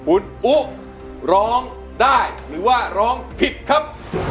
คุณอุ๊ร้องได้หรือว่าร้องผิดครับ